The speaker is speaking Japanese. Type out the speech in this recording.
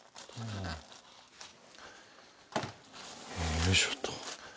よいしょっと。